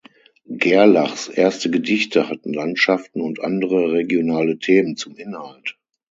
Gerlachs erste Gedichte hatten Landschaften und andere regionale Themen zum Inhalt.